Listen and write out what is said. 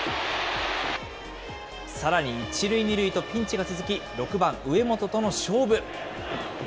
さらに一塁二塁とピンチが続き、６番上本との勝負。